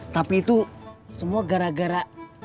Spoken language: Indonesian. tapi itu semua gara gara